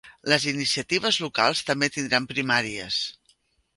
Les iniciatives locals també tindran primàries